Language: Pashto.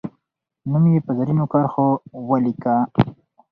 نوم یې په زرینو کرښو ولیکه.